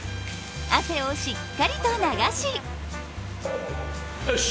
汗をしっかりと流しよし！